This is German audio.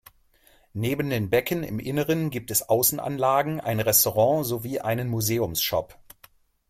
Neben den Becken im Inneren gibt es Außenanlagen, ein Restaurant sowie einen Museumsshop.